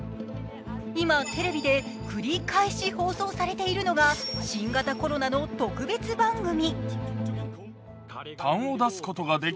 今、テレビで繰り返し放送されているのが新型コロナの特別番組。